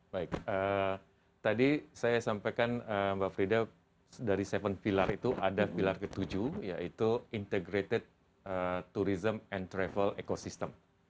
baik tadi saya sampaikan mbak frida dari tujuh pilar itu ada pilar ke tujuh yaitu integrated tourism and travel ecosystem